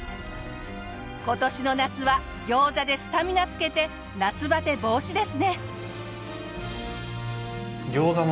今年の夏は餃子でスタミナつけて夏バテ防止ですね。